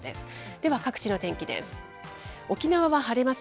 では各地の天気です。